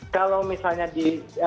kalau misalnya di